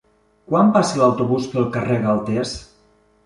Quan passa l'autobús pel carrer Galtés?